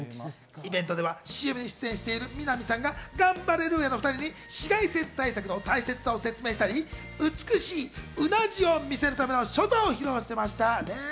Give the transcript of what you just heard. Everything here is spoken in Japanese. イベントではＣＭに出演している、みな実さんがガンバレルーヤのお２人に紫外線対策の大切さを説明したり美しいうなじを見せるための所作を披露していました。